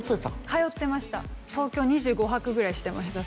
通ってました東京２５泊ぐらいしてました